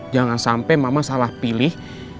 jangan sampai mama salah pilih